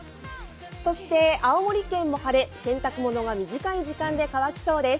そして青森県も晴れ、洗濯物が短い時間で乾きそうです。